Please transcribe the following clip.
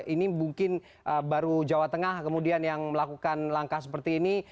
ini mungkin baru jawa tengah kemudian yang melakukan langkah seperti ini